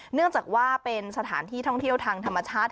เนื่องจากว่าเป็นสถานที่ท่องเที่ยวทางธรรมชาติ